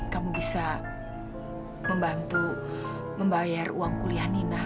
kamu bisa membantu membayar uang kuliah nina